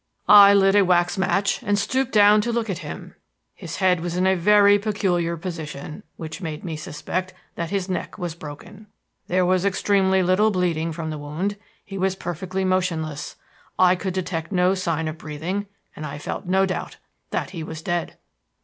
"I lit a wax match and stooped down to look at him. His head was in a very peculiar position, which made me suspect that his neck was broken. There was extremely little bleeding from the wound; he was perfectly motionless; I could detect no sign of breathing; and I felt no doubt that he was dead.